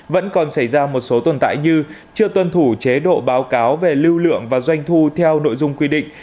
vẫn còn xảy ra một số tồn tại như chưa tuân thủ chế độ báo cáo về lưu lượng và doanh thu theo nội dung quy định